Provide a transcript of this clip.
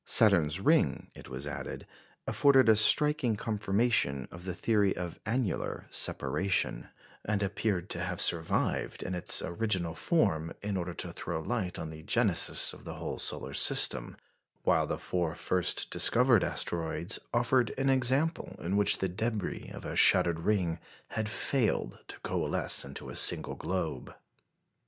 Saturn's ring, it was added, afforded a striking confirmation of the theory of annular separation, and appeared to have survived in its original form in order to throw light on the genesis of the whole solar system; while the four first discovered asteroids offered an example in which the débris of a shattered ring had failed to coalesce into a single globe.